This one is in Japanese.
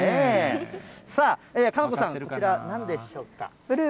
さあ、佳菜子さん、こちら、なんでしょうか。